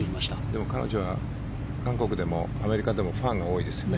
でも彼女は韓国でもアメリカでもファンが多いですよね。